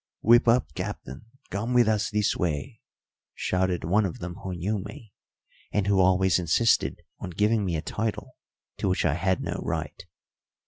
"Whip up, Captain, come with us this way," shouted one of them who knew me, and who always insisted on giving me a title to which I had no right.